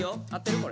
これ。